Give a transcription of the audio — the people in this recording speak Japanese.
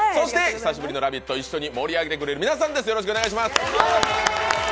久しぶりの「ラヴィット！」を一緒に盛り上げてくれる皆さんです。